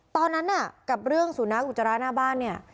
ตอนนั้นน่ะกับเรื่องสุนัขอุจจาระหน้าบ้านเนี่ย